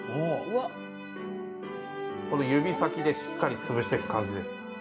この指先でしっかり潰していく感じです。